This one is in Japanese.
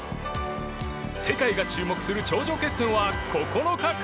世界が注目する頂上決戦は９日開幕！